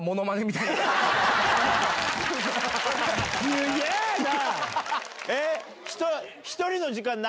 すげぇな！